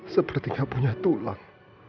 seperti gak punya tulang